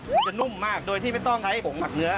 มันจะนุ่มมากโดยที่ไม่ต้องใช้ผงหมักเนื้อ